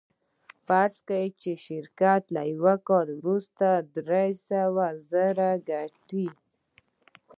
فرض کړئ شرکت له یوه کال وروسته درې سوه زره ګټي